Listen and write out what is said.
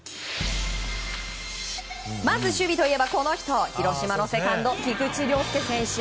まず守備といえば、この人広島のセカンド、菊池涼介選手。